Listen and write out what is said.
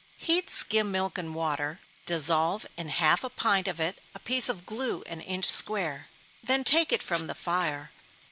_ Heat skim milk and water dissolve in half a pint of it a piece of glue an inch square, then take it from the fire.